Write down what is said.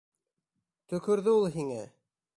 Төкөрҙө ул һиңә!